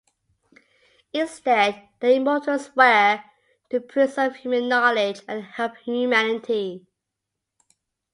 Instead, the Immortals swear to preserve human knowledge and help humanity.